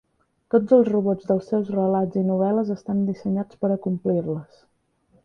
Tots els robots dels seus relats i novel·les estan dissenyats per a complir-les.